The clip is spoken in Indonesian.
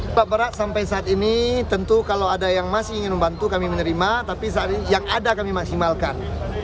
bapak berat sampai saat ini tentu kalau ada yang masih ingin membantu kami menerima tapi saat ini yang ada kami maksimalkan